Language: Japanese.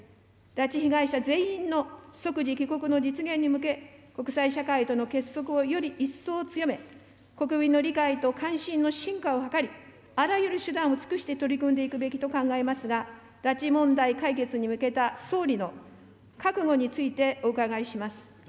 拉致被害者全員の即時帰国の実現に向け、国際社会との結束をより一層強め、国民の理解と関心の深化を図り、あらゆる手段を尽くして取り組んでいくべきと考えますが、拉致問題解決に向けた総理の覚悟について、お伺いします。